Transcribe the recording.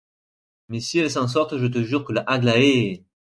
Mais si elles s'en sortent je te jure que la Aglaé.